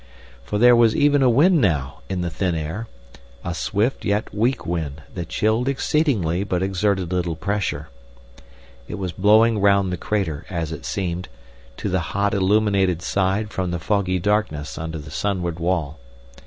For there was even a wind now in the thin air, a swift yet weak wind that chilled exceedingly but exerted little pressure. It was blowing round the crater, as it seemed, to the hot illuminated side from the foggy darkness under the sunward wall.